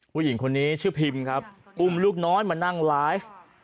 ผู้หญิงคนนี้ชื่อพิมครับอุ้มลูกน้อยมานั่งไลฟ์